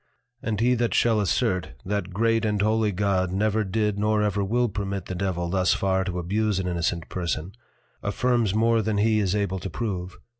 _ And he that shall assert, that Great and Holy God never did nor ever will permit the Devil thus far to abuse an Innocent Person, affirms more than he is able to prove.